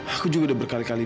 aku juga udah berkali kali